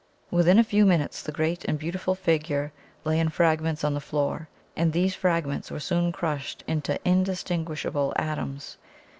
Within a few minutes the great and beautiful figure lay in fragments on the floor, and these fragments were soon crushed into indistinguishable atoms.